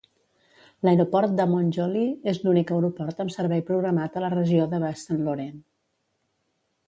L"aeroport de Mont-Joli és l"únic aeroport amb servei programat a la regió de Bas-Saint-Laurent.